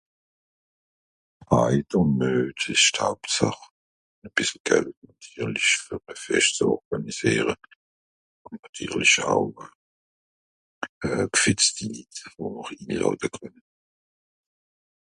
Fraid un Muet ìsch d'Hauptsàch, e bissel Geld, nàtirlich, fer e Fescht ze organisiere. Ùn nàtirlich au euh gfìtzti Litt, wo mr inlààde kànn